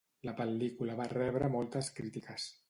La pel·lícula va rebre moltes crítiques.